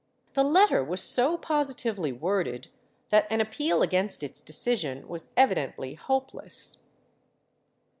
The letter was so positively worded that an appeal against its decision was evidently hopeless.